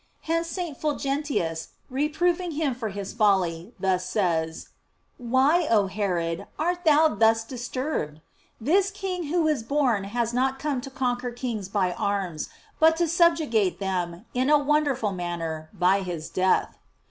Hence St. Fulgentius, reproving him for his folly, thus says: "Why, oh Herod, art thou thu^t disturbed ? This King who is born has not come to conquer kings by arms, but to subjugate ti.em, in a wonderful manner, by his death."